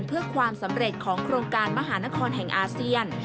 เพื่อความสำเร็จของโครงการมหานครแห่งอาเซียน